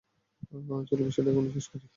চলো বিষয়টা এখানেই শেষ করি।